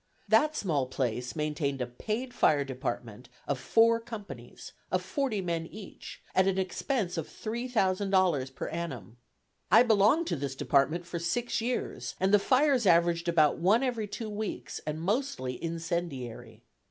That small place maintained a paid fire department, of four companies, of forty men each, at an expense of $3,000.00 per annum. I belonged to this department for six years, and the fires averaged about one every two weeks, and mostly incendiary.